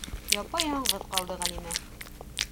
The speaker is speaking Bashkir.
Япа-яңғыҙ ҡалды Ғәлимә!